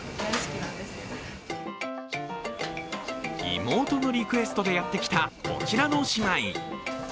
妹のリクエストでやってきたこちらの姉妹。